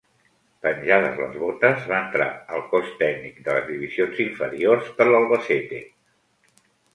Penjades les botes, va entrar al cos tècnic de les divisions inferiors de l'Albacete.